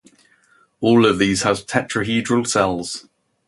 All of these have a tetrahedral cells.